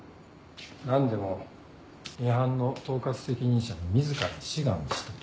何でもミハンの統括責任者に自ら志願したとか。